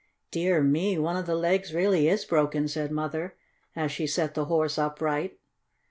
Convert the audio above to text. "Dear me, one of the legs really is broken," said Mother, as she set the Horse upright.